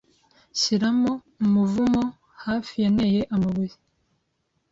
Shyiramo, umuvumo hafi yanteye amabuye